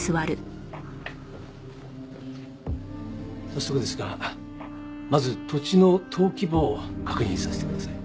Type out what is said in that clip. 早速ですがまず土地の登記簿を確認させてください。